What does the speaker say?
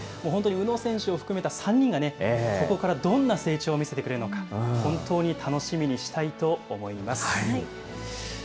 本当に宇野選手を含めた３人が、ここからどんな成長を見せてくれるのか、本当に楽しみにしたいと思います。